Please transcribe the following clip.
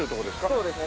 そうですね。